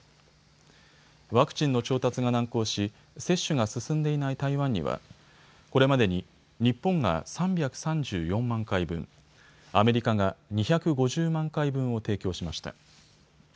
ワクチンの調達が難航し接種が進んでいない台湾にはこれまでに日本が３３４万回分、アメリカが２５０万回分を提供しました。